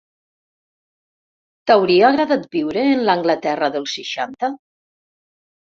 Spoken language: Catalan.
T'hauria agradat viure en l'Anglaterra dels seixanta?